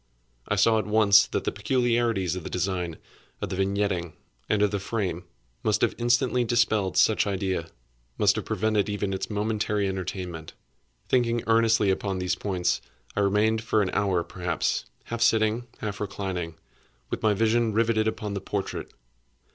I saw at once that the peculiarities of the design, of the vignetting, and of the frame, must have instantly dispelled such idea—must have prevented even its momentary entertainment. Thinking earnestly upon these points, I remained, for an hour perhaps, half sitting, half reclining, with my vision riveted upon the portrait.